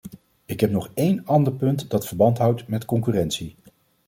Ik heb nog één ander punt dat verband houdt met concurrentie.